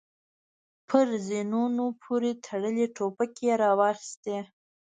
پر زينونو پورې تړلې ټوپکې يې را واخيستې.